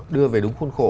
đưa về đúng khuôn khổ